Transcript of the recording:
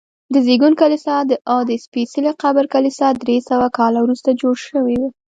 د زېږون کلیسا او د سپېڅلي قبر کلیسا درې سوه کاله وروسته جوړې شوي.